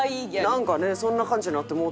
なんかねそんな感じになってもうてたな。